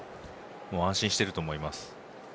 安心していると思います。